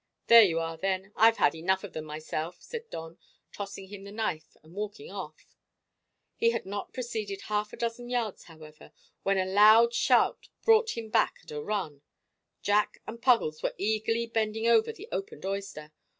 "There you are, then; I've had enough of them myself," said Don, tossing him the knife and walking off. He had not proceeded half a dozen yards, however, when a loud shout brought him back at a run. Jack and Puggles were eagerly bending over the opened oyster.